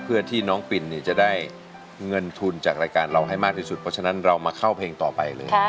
เพื่อที่น้องปินจะได้เงินทุนจากรายการเราให้มากที่สุดเพราะฉะนั้นเรามาเข้าเพลงต่อไปเลย